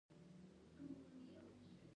په ځینو ښځینه انسانانو اېښودل کېږي.